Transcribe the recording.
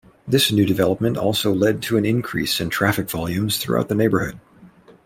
This new development also led to an increase in traffic volumes throughout the neighborhood.